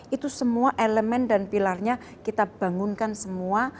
itu semua elemen dan pilarnya kita bangunkan semua